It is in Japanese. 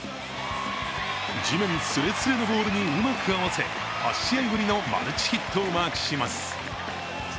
地面すれすれのボールにうまく合わせ、８試合ぶりのマルチヒットをマークします。